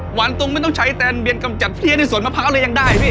ตรงไม่ต้องใช้แตนเบียนกำจัดเฟี้ยในสวนมะพร้าวเลยยังได้พี่